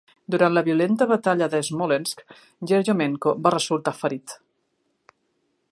Durant la violenta Batalla de Smolensk, Yeryomenko va resultar ferit.